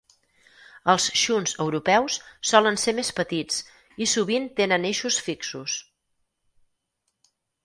Els xunts europeus solen ser més petits i sovint tenen eixos fixos.